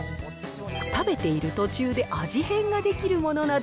食べている途中で味変ができるものなど、